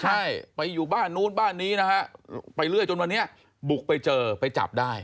ใช่ไปอยู่บ้านนู้นบ้านนี้นะฮะไปเรื่อยจนวันนี้บุกไปเจอไปจับได้